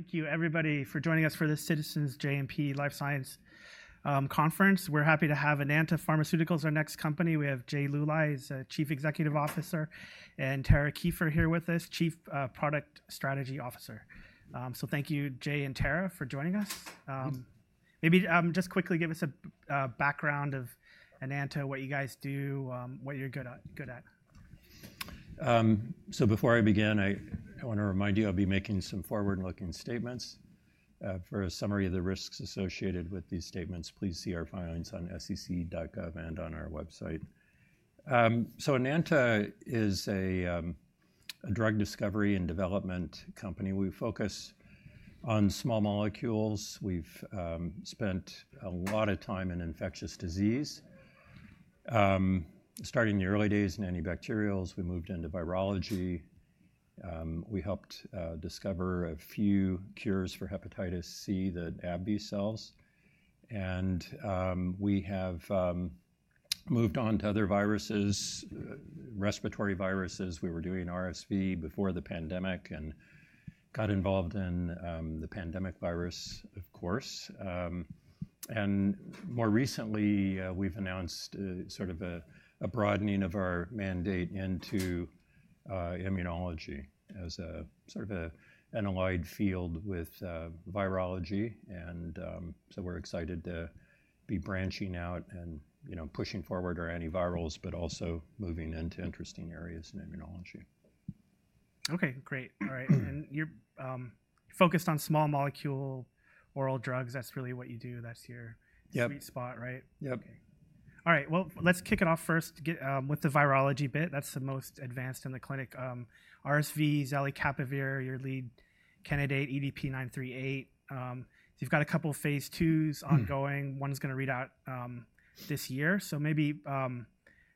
Thank you everybody for joining us for this Citizens JMP Life Science Conference. We're happy to have Enanta Pharmaceuticals, our next company. We have Jay Luly, he's Chief Executive Officer, and Tara Kieffer here with us, Chief Product Strategy Officer. So thank you, Jay and Tara, for joining us. Maybe just quickly give us a background of Enanta, what you guys do, what you're good at. So before I begin, I want to remind you, I'll be making some forward-looking statements. For a summary of the risks associated with these statements, please see our filings on sec.gov and on our website. Enanta is a drug discovery and development company. We focus on small molecules. We've spent a lot of time in infectious disease. Starting in the early days in antibacterials, we moved into virology. We helped discover a few cures for hepatitis C, the AbbVie sells, and we have moved on to other viruses, respiratory viruses. We were doing RSV before the pandemic and got involved in the pandemic virus, of course. And more recently, we've announced sort of a broadening of our mandate into immunology as a sort of allied field with virology. So we're excited to be branching out and, you know, pushing forward our antivirals, but also moving into interesting areas in immunology. Okay, great. All right. And you're focused on small molecule, oral drugs, that's really what you do, that's your- Yep... sweet spot, right? Yep. All right. Well, let's kick it off first to get with the virology bit. That's the most advanced in the clinic, RSV, zelicapavir, your lead candidate, EDP-938. So you've got a couple of Phase II's ongoing- One is gonna read out this year. So maybe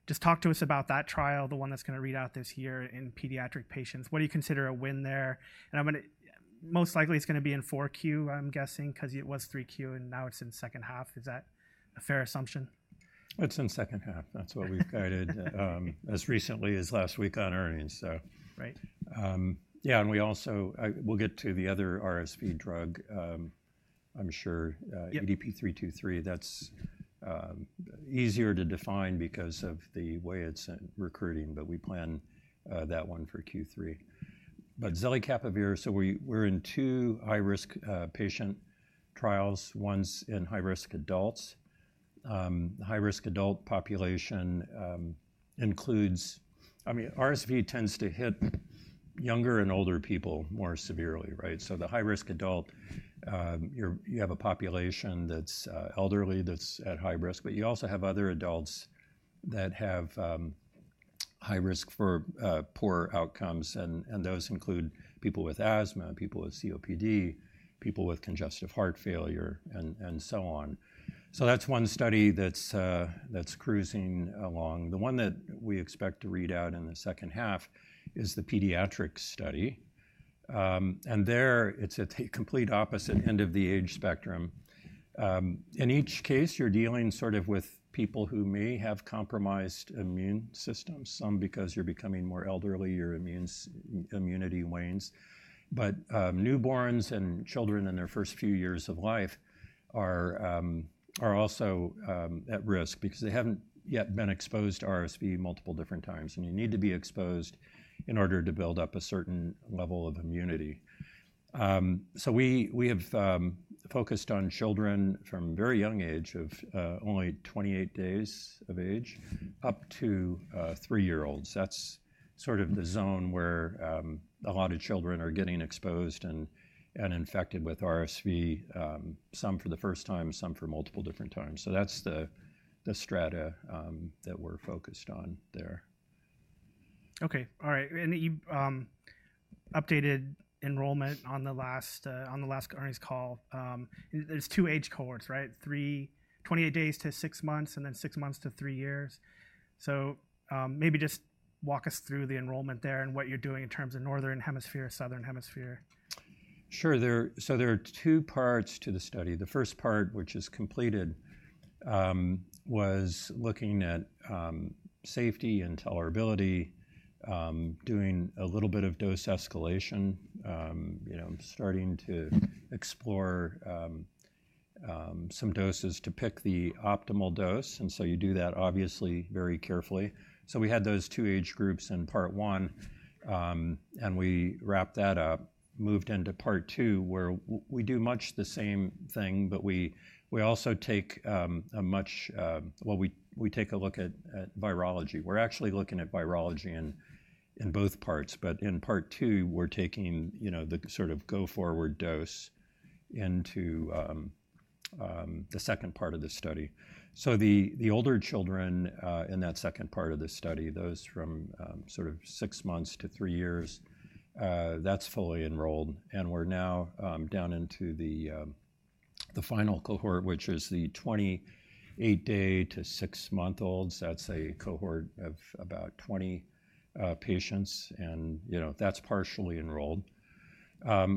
just talk to us about that trial, the one that's gonna read out this year in pediatric patients. What do you consider a win there? And I'm gonna... Most likely, it's gonna be in 4Q, I'm guessing, 'cause it was 3Q, and now it's in second half. Is that a fair assumption? It's in second half. That's what we've guided as recently as last week on earnings, so. Right. Yeah, and we also... we'll get to the other RSV drug, I'm sure. Yep... EDP-323, that's easier to define because of the way it's recruiting, but we plan that one for Q3. But zelicapavir, so we're in two high-risk patient trials, one's in high-risk adults. High-risk adult population includes... I mean, RSV tends to hit younger and older people more severely, right? So the high-risk adult, you have a population that's elderly, that's at high risk, but you also have other adults that have high risk for poor outcomes, and those include people with asthma, people with COPD, people with congestive heart failure, and so on. So that's one study that's cruising along. The one that we expect to read out in the second half is the pediatrics study. And there, it's at the complete opposite end of the age spectrum. In each case, you're dealing sort of with people who may have compromised immune systems, some because you're becoming more elderly, your immunity wanes. But, newborns and children in their first few years of life are also at risk because they haven't yet been exposed to RSV multiple different times, and you need to be exposed in order to build up a certain level of immunity. So we have focused on children from a very young age of only 28 days of age, up to 3-year-olds. That's sort of the zone where a lot of children are getting exposed and infected with RSV, some for the first time, some for multiple different times. So that's the strata that we're focused on there. Okay, all right. You updated enrollment on the last earnings call. There's two age cohorts, right? 28 days to six months, and then six months to three years. So, maybe just walk us through the enrollment there and what you're doing in terms of Northern Hemisphere, Southern Hemisphere. Sure. So there are two parts to the study. The first part, which is completed, was looking at safety and tolerability, doing a little bit of dose escalation, you know, starting to explore some doses to pick the optimal dose, and so you do that, obviously, very carefully. So we had those two age groups in part one, and we wrapped that up, moved into part two, where we do much the same thing, but we also take a much... Well, we take a look at virology. We're actually looking at virology in both parts, but in part two, we're taking, you know, the sort of go-forward dose into the second part of the study. So the older children in that second part of the study, those from sort of six months to three years, that's fully enrolled, and we're now down into the final cohort, which is the 28-day to 6-month-olds. That's a cohort of about 20 patients, and you know, that's partially enrolled.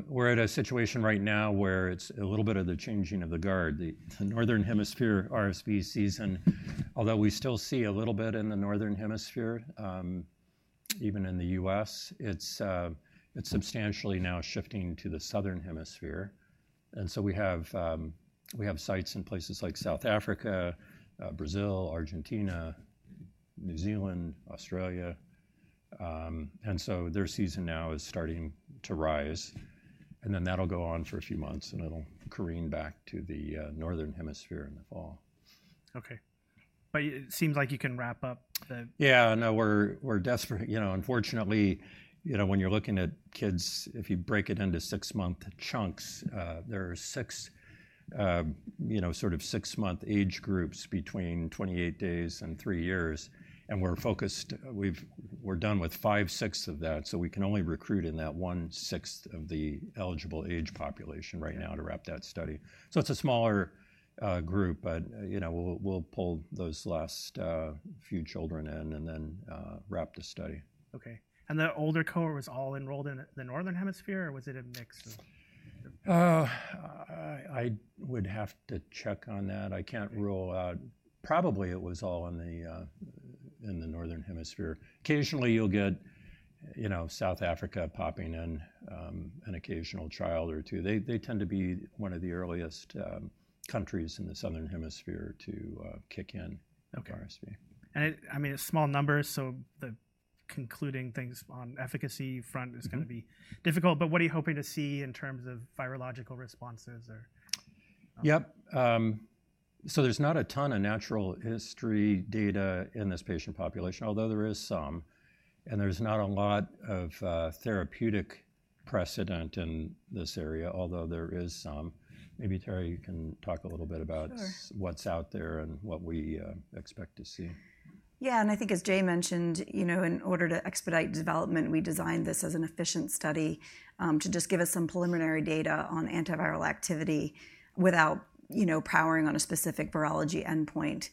We're at a situation right now where it's a little bit of the changing of the guard. The Northern Hemisphere RSV season, although we still see a little bit in the Northern Hemisphere, even in the U.S. It's substantially now shifting to the Southern Hemisphere. And so we have sites in places like South Africa, Brazil, Argentina, New Zealand, Australia, and so their season now is starting to rise, and then that'll go on for a few months, and it'll careen back to the Northern Hemisphere in the fall. Okay. But it seems like you can wrap up the- Yeah, no, we're, we're desperate. You know, unfortunately, you know, when you're looking at kids, if you break it into six-month chunks, there are six, you know, sort of six-month age groups between 28 days and three years, and we're focused—we've—we're done with five-sixths of that, so we can only recruit in that one-sixth of the eligible age population right now to wrap that study. So it's a smaller, group, but, you know, we'll, we'll pull those last, few children in and then, wrap the study. Okay. And the older cohort was all enrolled in the Northern Hemisphere, or was it a mix of...? I would have to check on that. I can't rule out... Probably it was all in the Northern Hemisphere. Occasionally, you'll get, you know, South Africa popping in, an occasional child or two. They tend to be one of the earliest countries in the Southern Hemisphere to kick in- Okay. - RSV. It, I mean, it's small numbers, so the concluding things on efficacy front is- Mm-hmm... gonna be difficult, but what are you hoping to see in terms of virological responses or? Yep. So there's not a ton of natural history data in this patient population, although there is some, and there's not a lot of therapeutic precedent in this area, although there is some. Maybe, Tara, you can talk a little bit about- Sure... what's out there and what we expect to see. Yeah, and I think, as Jay mentioned, you know, in order to expedite development, we designed this as an efficient study, to just give us some preliminary data on antiviral activity without, you know, powering on a specific virology endpoint.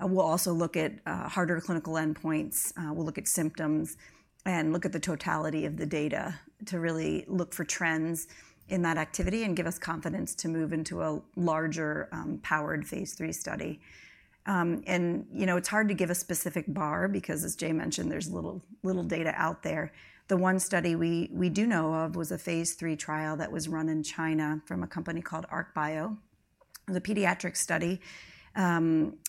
We'll also look at harder clinical endpoints, we'll look at symptoms and look at the totality of the data to really look for trends in that activity and give us confidence to move into a larger, powered phase III study. And, you know, it's hard to give a specific bar because, as Jay mentioned, there's little data out there. The one study we do know of was a phase III trial that was run in China from a company called ArkBio, the pediatric study. A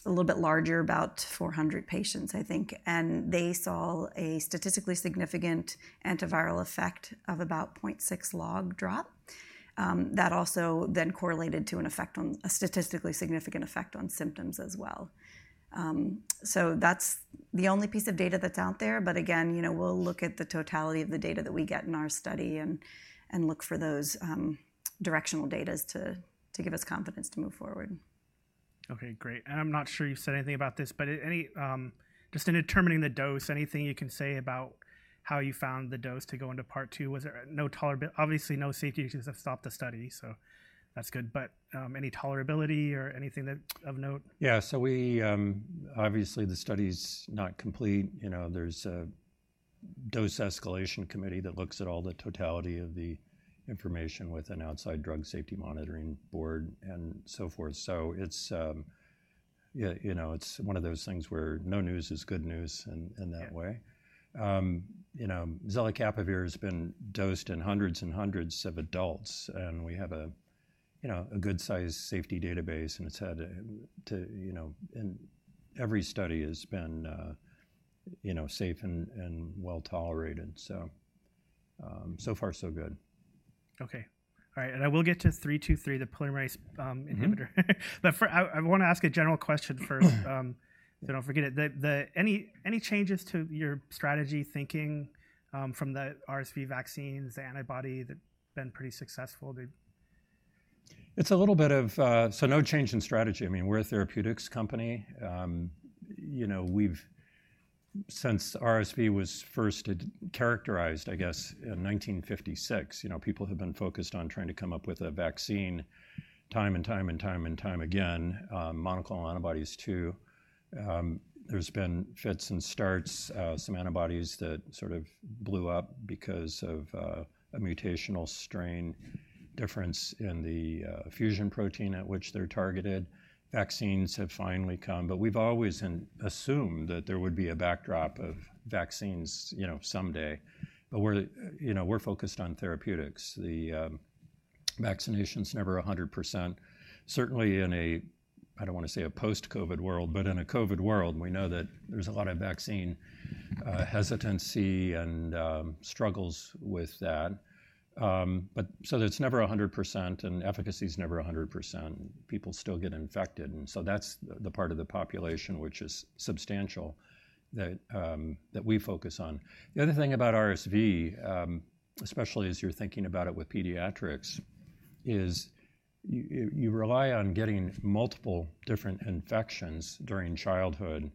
little bit larger, about 400 patients, I think, and they saw a statistically significant antiviral effect of about 0.6 log drop. That also then correlated to an effect on... a statistically significant effect on symptoms as well. So that's the only piece of data that's out there, but again, you know, we'll look at the totality of the data that we get in our study and look for those directional datas to give us confidence to move forward. Okay, great. And I'm not sure you said anything about this, but just in determining the dose, anything you can say about how you found the dose to go into Part II? But obviously, no safety issues have stopped the study, so that's good, but any tolerability or anything that of note? Yeah. So we, obviously, the study's not complete, you know, there's a dose escalation committee that looks at all the totality of the information with an outside drug safety monitoring board and so forth. So it's, yeah, you know, it's one of those things where no news is good news in that way. Yeah. You know, zelicapavir has been dosed in hundreds and hundreds of adults, and we have a, you know, a good-sized safety database, and it's had to... You know, and every study has been, you know, safe and well-tolerated. So, so far, so good. Okay. All right, and I will get to EDP-235, the polymerase. Mm-hmm... inhibitor. But first, I wanna ask a general question first, so I don't forget it. Any changes to your strategy thinking from the RSV vaccines, the antibody that's been pretty successful to? So no change in strategy. I mean, we're a therapeutics company. You know, we've since RSV was first characterized, I guess, in 1956, you know, people have been focused on trying to come up with a vaccine time and time and time and time again, monoclonal antibodies, too. There's been fits and starts, some antibodies that sort of blew up because of a mutational strain difference in the fusion protein at which they're targeted. Vaccines have finally come, but we've always assumed that there would be a backdrop of vaccines, you know, someday. But we're, you know, we're focused on therapeutics. The vaccination's never 100%, certainly in a I don't want to say a post-COVID world, but in a COVID world, we know that there's a lot of vaccine hesitancy and struggles with that. But so it's never 100%, and efficacy is never 100%. People still get infected, and so that's the part of the population which is substantial that we focus on. The other thing about RSV, especially as you're thinking about it with pediatrics, is you rely on getting multiple different infections during childhood,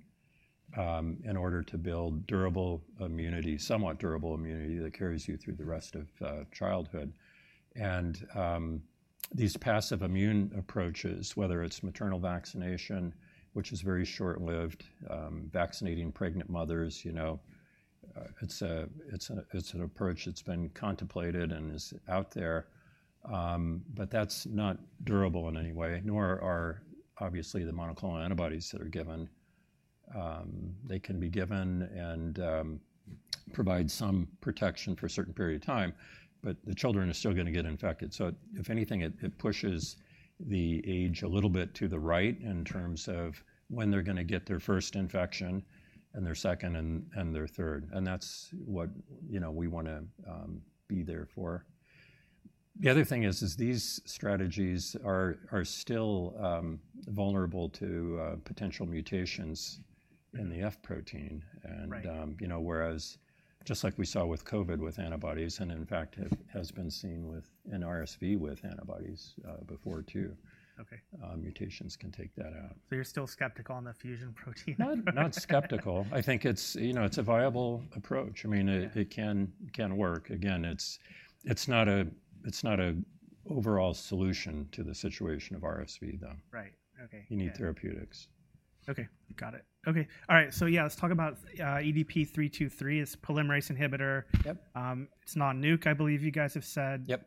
in order to build durable immunity, somewhat durable immunity, that carries you through the rest of childhood. And these passive immune approaches, whether it's maternal vaccination, which is very short-lived, vaccinating pregnant mothers, you know, it's an approach that's been contemplated and is out there. But that's not durable in any way, nor are obviously the monoclonal antibodies that are given. They can be given and provide some protection for a certain period of time, but the children are still gonna get infected. So if anything, it pushes the age a little bit to the right in terms of when they're gonna get their first infection, and their second, and their third, and that's what, you know, we wanna be there for. The other thing is these strategies are still vulnerable to potential mutations in the F protein. Right. You know, whereas just like we saw with COVID, with antibodies, and in fact, it has been seen within RSV with antibodies, before, too. Okay. Mutations can take that out. So you're still skeptical on the fusion protein? Not, not skeptical. I think it's, you know, it's a viable approach. I mean- Yeah... it can work. Again, it's not an overall solution to the situation of RSV, though. Right. Okay. Yeah. You need therapeutics. Okay, got it. Okay. All right, so yeah, let's talk about EDP-323. It's a polymerase inhibitor. Yep. It's non-nuc, I believe you guys have said. Yep.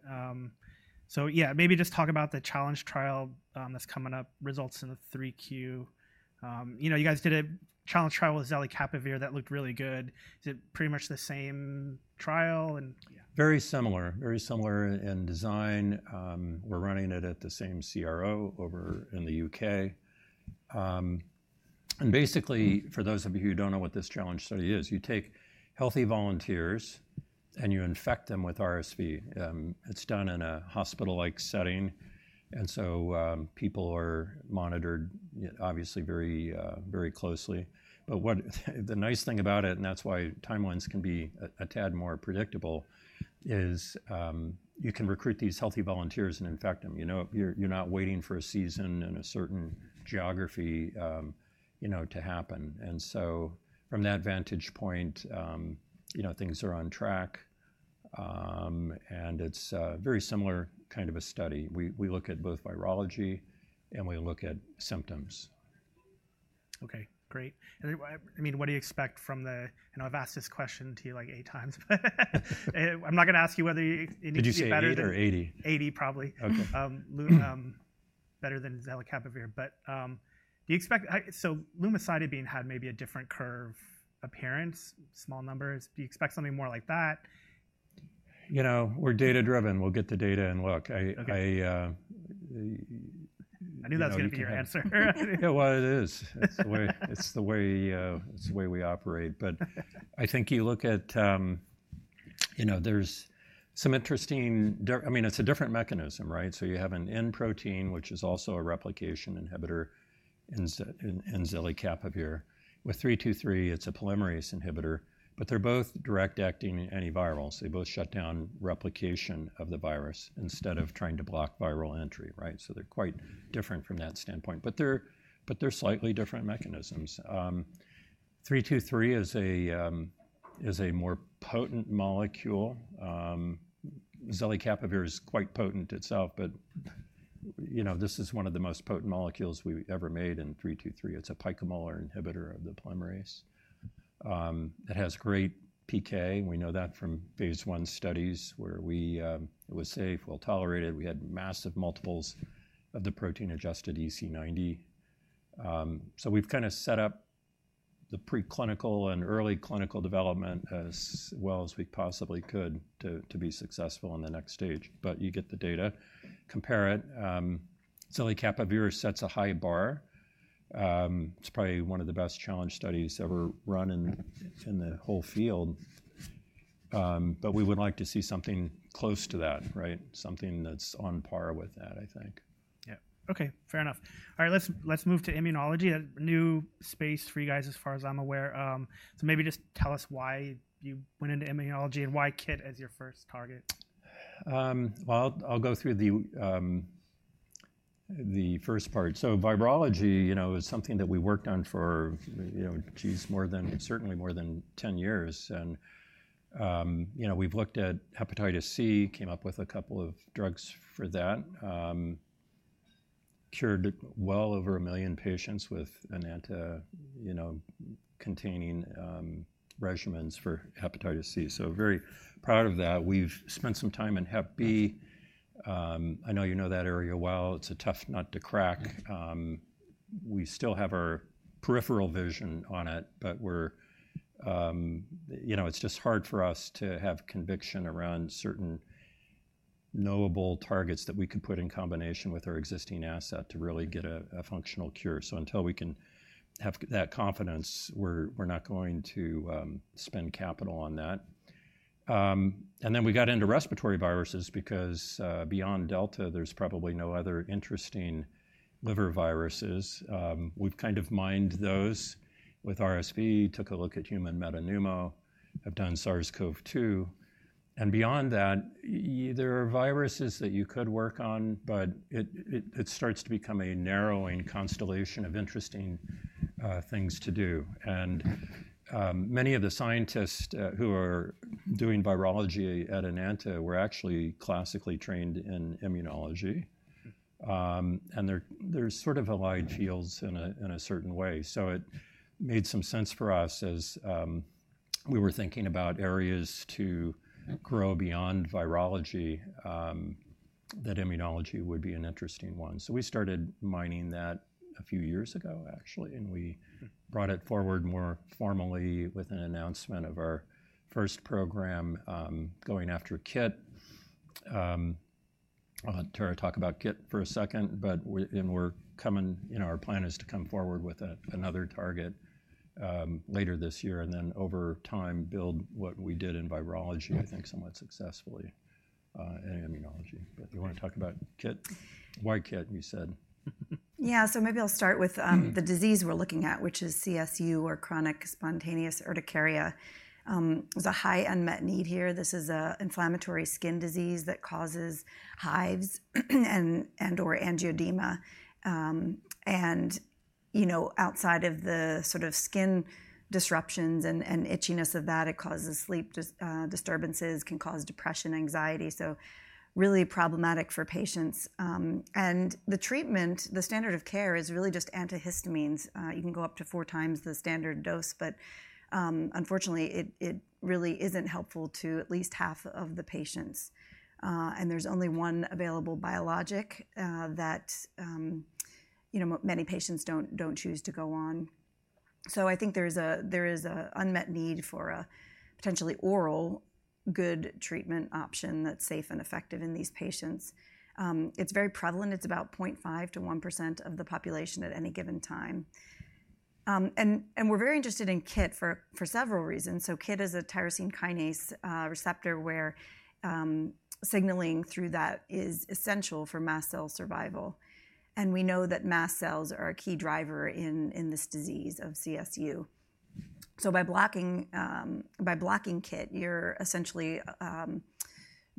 So yeah, maybe just talk about the challenge trial, that's coming up, results in the Q3. You know, you guys did a challenge trial with zelicapavir that looked really good. Is it pretty much the same trial and... Yeah. Very similar. Very similar in design. We're running it at the same CRO over in the U.K. And basically, for those of you who don't know what this challenge study is: you take healthy volunteers, and you infect them with RSV. It's done in a hospital-like setting, and so, people are monitored, obviously, very, very closely. But the nice thing about it, and that's why timelines can be a tad more predictable, is, you can recruit these healthy volunteers and infect them. You know, you're not waiting for a season and a certain geography, you know, to happen. And so from that vantage point, you know, things are on track. And it's a very similar kind of a study. We look at both virology, and we look at symptoms. Okay, great. And I, I, I mean, what do you expect from the... I know I've asked this question to you, like, eight times, but... I'm not gonna ask you whether you, it need to be better than- Did you say 8 or 80? Eighty, probably. Okay. Better than zelicapavir. But, do you expect lumicitabine had maybe a different curve appearance, small numbers. Do you expect something more like that? You know, we're data-driven. We'll get the data and look. I- Okay... I I knew that was gonna be your answer. Yeah, well, it is. It's the way, it's the way, it's the way we operate. But I think you look at, you know, there's some interesting—I mean, it's a different mechanism, right? So you have an N protein, which is also a replication inhibitor in zelicapavir. With 323, it's a polymerase inhibitor, but they're both direct-acting antivirals. They both shut down replication of the virus instead of trying to block viral entry, right? So they're quite different from that standpoint, but they're, but they're slightly different mechanisms. 323 is a, is a more potent molecule. zelicapavir is quite potent itself, but, you know, this is one of the most potent molecules we've ever made in 323. It's a picomolar inhibitor of the polymerase. It has great PK, and we know that from phase 1 studies, where we... It was safe, well-tolerated. We had massive multiples of the protein-adjusted EC90. So we've kind of set up the preclinical and early clinical development as well as we possibly could to, to be successful in the next stage. But you get the data, compare it. zelicapavir sets a high bar. It's probably one of the best challenge studies ever run in, in the whole field. But we would like to see something close to that, right? Something that's on par with that, I think. Yeah. Okay, fair enough. All right, let's move to immunology. A new space for you guys, as far as I'm aware. So maybe just tell us why you went into immunology and why KIT as your first target? Well, I'll go through the first part. So virology, you know, is something that we worked on for, you know, geez, more than, certainly more than 10 years. And, you know, we've looked at hepatitis C, came up with a couple of drugs for that. Cured well over 1 million patients with Enanta, you know, containing regimens for hepatitis C, so very proud of that. We've spent some time in hep B. I know you know that area well. It's a tough nut to crack. We still have our peripheral vision on it, but we're, you know, it's just hard for us to have conviction around certain knowable targets that we could put in combination with our existing asset to really get a functional cure. So until we can have that confidence, we're not going to spend capital on that. And then we got into respiratory viruses because beyond Delta, there's probably no other interesting liver viruses. We've kind of mined those with RSV, took a look at human metapneumo, have done SARS-CoV-2. And beyond that, there are viruses that you could work on, but it starts to become a narrowing constellation of interesting things to do. And many of the scientists who are doing virology at Enanta were actually classically trained in immunology, and they're sort of allied fields in a certain way. So it made some sense for us as we were thinking about areas to grow beyond virology that immunology would be an interesting one. So we started mining that a few years ago, actually, and we brought it forward more formally with an announcement of our first program going after KIT. I'll let Tara talk about KIT for a second, but we're coming, you know, our plan is to come forward with another target later this year, and then over time, build what we did in virology, I think, somewhat successfully, in immunology. But you wanna talk about KIT? Why KIT, you said. Yeah. So maybe I'll start with the disease we're looking at, which is CSU or chronic spontaneous urticaria. There's a high unmet need here. This is an inflammatory skin disease that causes hives and/or angioedema. And you know, outside of the sort of skin disruptions and itchiness of that, it causes sleep disturbances, can cause depression, anxiety, so really problematic for patients. And the treatment, the standard of care is really just antihistamines. You can go up to four times the standard dose, but unfortunately, it really isn't helpful to at least half of the patients. And there's only one available biologic that you know, many patients don't choose to go on. I think there's an unmet need for a potentially oral good treatment option that's safe and effective in these patients. It's very prevalent. It's about 0.5%-1% of the population at any given time. And we're very interested in KIT for several reasons. So KIT is a tyrosine kinase receptor, where signaling through that is essential for mast cell survival. And we know that mast cells are a key driver in this disease of CSU. So by blocking KIT, you're essentially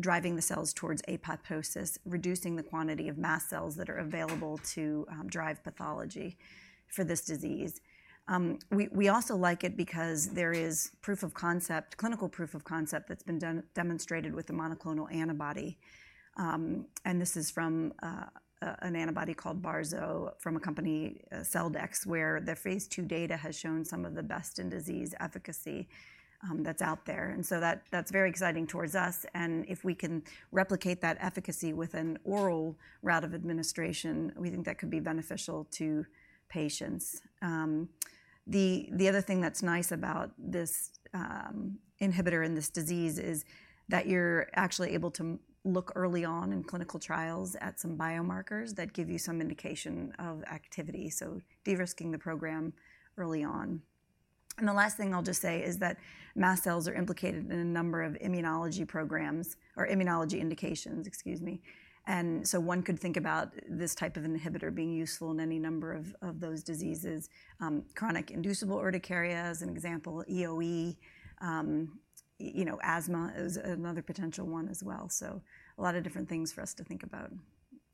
driving the cells towards apoptosis, reducing the quantity of mast cells that are available to drive pathology for this disease. We also like it because there is proof of concept, clinical proof of concept that's been demonstrated with the monoclonal antibody. And this is from an antibody called Barzo from a company, Celldex, where their phase II data has shown some of the best in disease efficacy, that's out there. And so that's very exciting towards us, and if we can replicate that efficacy with an oral route of administration, we think that could be beneficial to patients. The other thing that's nice about this inhibitor and this disease is that you're actually able to look early on in clinical trials at some biomarkers that give you some indication of activity, so de-risking the program early on. And the last thing I'll just say is that mast cells are implicated in a number of immunology programs or immunology indications, excuse me. And so one could think about this type of inhibitor being useful in any number of those diseases. chronic inducible urticaria is an example, EoE. You know, asthma is another potential one as well, so a lot of different things for us to think about.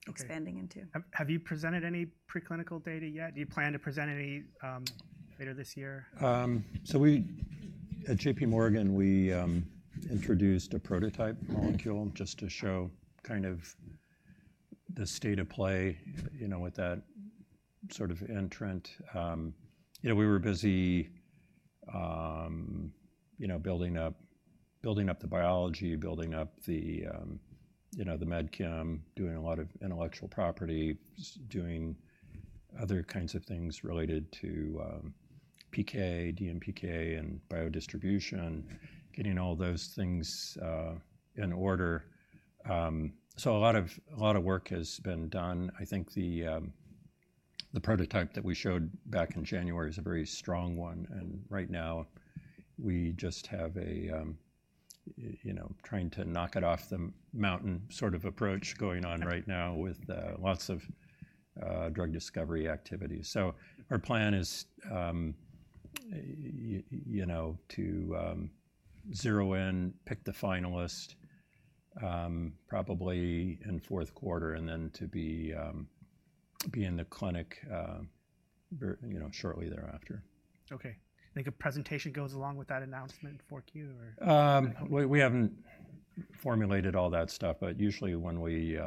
Okay. Expanding into. Have you presented any preclinical data yet? Do you plan to present any later this year? So we at J.P. Morgan introduced a prototype molecule just to show kind of the state of play, you know, with that sort of entrant. You know, we were busy, you know, building up, building up the biology, building up the, you know, the med chem, doing a lot of intellectual property, doing other kinds of things related to, you know, PK, DMPK, and biodistribution, getting all those things in order. So a lot of work has been done. I think the prototype that we showed back in January is a very strong one, and right now we just have a you know, trying to knock it off the mountain sort of approach going on right now with lots of drug discovery activities. So our plan is, you know, to zero in, pick the finalist, probably in fourth quarter, and then to be in the clinic, very, you know, shortly thereafter. Okay. Do you think a presentation goes along with that announcement in 4Q, or...? We haven't formulated all that stuff, but usually, when we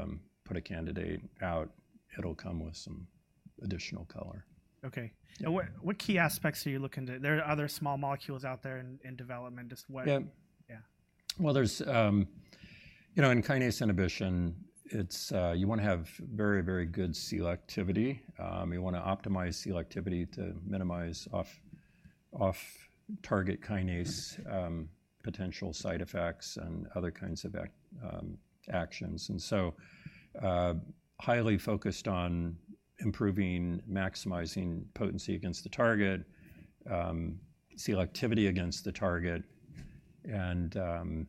put a candidate out, it'll come with some additional color. Okay. Now, what, what key aspects are you looking to? There are other small molecules out there in, in development. Just what- Yeah. Yeah. Well, there's... You know, in kinase inhibition, it's you wanna have very, very good selectivity. You wanna optimize selectivity to minimize off-target kinase potential side effects and other kinds of actions. And so, highly focused on improving, maximizing potency against the target, selectivity against the target, and,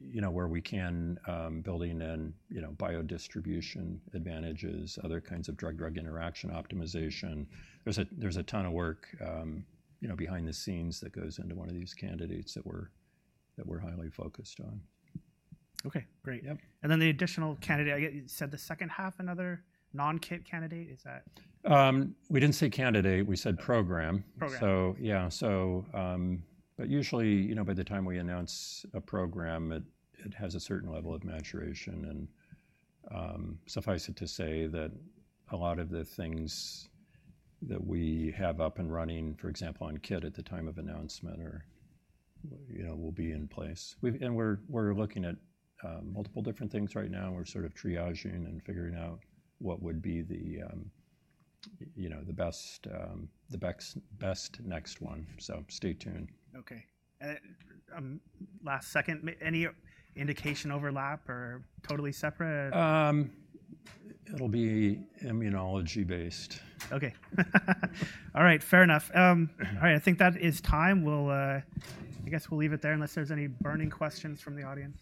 you know, where we can, building in, you know, biodistribution advantages, other kinds of drug-drug interaction optimization. There's a ton of work, you know, behind the scenes that goes into one of these candidates that we're highly focused on. Okay, great. Yep. And then the additional candidate, I get you said the second half, another non-KIT candidate, is that? We didn't say candidate, we said program. Program. Yeah. But usually, you know, by the time we announce a program, it has a certain level of maturation and, suffice it to say that a lot of the things that we have up and running, for example, on KIT at the time of announcement, are... you know, will be in place. And we're looking at multiple different things right now. We're sort of triaging and figuring out what would be the, you know, the best next one. So stay tuned. Okay. Last second, any indication overlap or totally separate, or? It'll be immunology based. Okay. All right, fair enough. All right, I think that is time. We'll, I guess we'll leave it there, unless there's any burning questions from the audience.